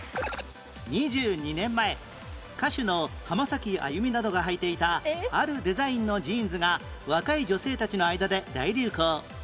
２２年前歌手の浜崎あゆみなどがはいていたあるデザインのジーンズが若い女性たちの間で大流行